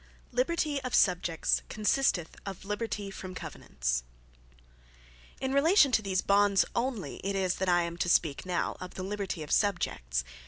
Liberty Of Subjects Consisteth In Liberty From Covenants In relation to these Bonds only it is, that I am to speak now, of the Liberty of Subjects.